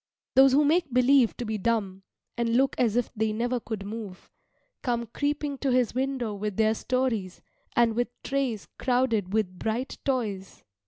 Those who make believe to be dumb, and look as if they never could move, come creeping to his window with their stories and with trays crowded with bright toys.